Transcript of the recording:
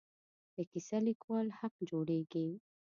د کیسه لیکوالو حق جوړېږي.